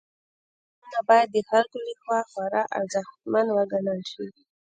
دا کارونه باید د خلکو لخوا خورا ارزښتمن وګڼل شي.